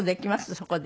そこで。